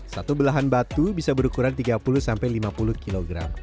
satu belahan batu bisa berukuran tiga puluh sampai lima puluh kg